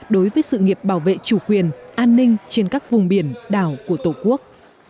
đối với sự nghiệp bảo vệ chủ quyền an ninh trên các vùng biển đảo của tổ quốc